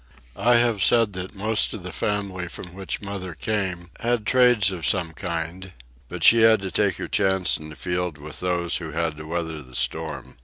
I have said that most of the family from which mother came had trades of some kind; but she had to take her chance in the field with those who had to weather the storm.